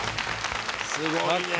すごいね！